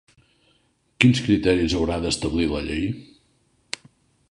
Quins criteris haurà d'establir la llei?